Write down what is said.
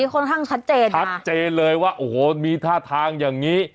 ค่อนข้างชัดเจนชัดเจนเลยว่าโอ้โหมีท่าทางอย่างนี้